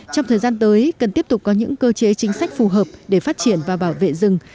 trong thời gian tới cần tiếp tục có những cơ chế chính sách phù hợp để phát triển và bảo vệ rừng